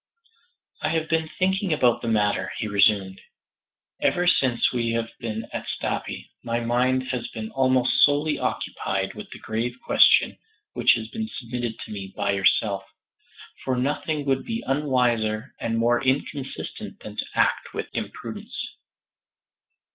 "I have been thinking about the matter," he resumed. "Ever since we have been at Stapi, my mind has been almost solely occupied with the grave question which has been submitted to me by yourself for nothing would be unwiser and more inconsistent than to act with imprudence."